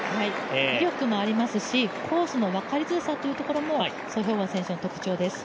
威力もありますし、コースの分かりづらさもソ・ヒョウォン選手の特徴です。